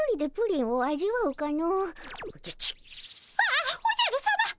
ああおじゃるさま。